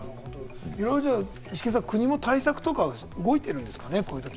イシケンさん、国も対策とか動いているんですかね？